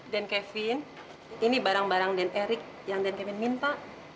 dan kevin ini barang barang dan eric yang dan kevin minta